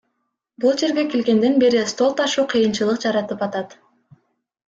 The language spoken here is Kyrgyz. Бул жерге келгенден бери стол ташуу кыйынчылык жаратып атат.